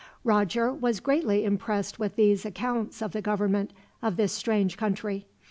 Roger was greatly impressed with these accounts of the government of this strange country.